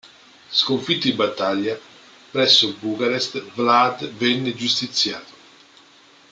Sconfitto in battaglia presso Bucarest, Vlad venne giustiziato.